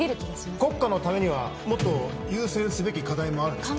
国家のためにはもっと優先すべき課題もあるでしょ